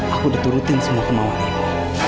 aku udah turutin semua kemauan ibu